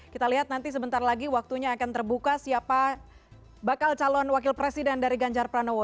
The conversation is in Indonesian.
kita lihat nanti sebentar lagi waktunya akan terbuka siapa bakal calon wakil presiden dari ganjar pranowo